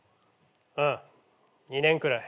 うん。２年くらい。